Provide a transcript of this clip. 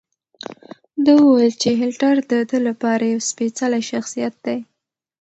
ده وویل چې هېټلر د ده لپاره یو سپېڅلی شخصیت دی.